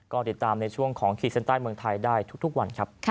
ก็ติดตามในช่วงของขีดเส้นใต้เมืองไทยได้ทุกวันครับ